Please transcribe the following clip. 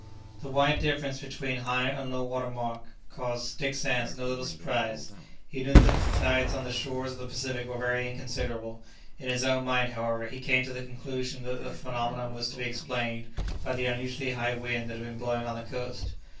The wide difference between high and low water mark caused Dick Sands no little surprise. He knew that the tides on the shores of the Pacific were very inconsiderable; in his own mind, however, he came to the conclusion that the phenomenon was to be explained by the unusually high wind that had been blowing on the coast.